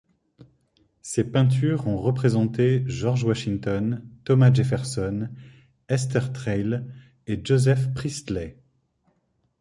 Ses peintures ont représenté George Washington, Thomas Jefferson, Hester Thrale et Joseph Priestley.